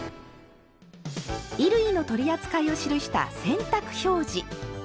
衣類の取り扱いを記した「洗濯表示」。